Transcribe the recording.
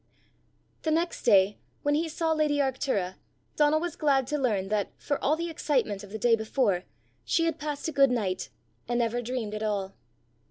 The next day, when he saw lady Arctura, Donal was glad to learn that, for all the excitement of the day before, she had passed a good night, and never dreamed at all.